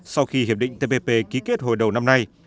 sau khi hiệp định tppp ký kết hồi đầu năm nay